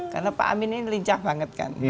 karena pak amin ini lincah banget kan